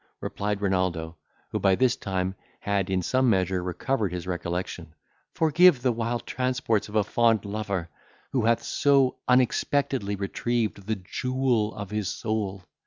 replied Renaldo, who by this time had, in some measure, recovered his recollection, "forgive the wild transports of a fond lover, who hath so unexpectedly retrieved the jewel of his soul!